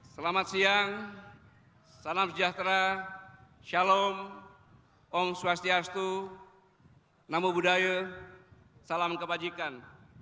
selamat siang salam sejahtera shalom om swastiastu namo buddhaya salam kebajikan